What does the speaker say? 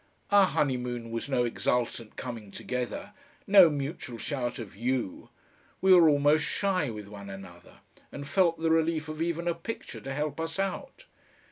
Our honeymoon was no exultant coming together, no mutual shout of "YOU!" We were almost shy with one another, and felt the relief of even a picture to help us out.